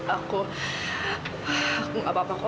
aku tidak apa apa papa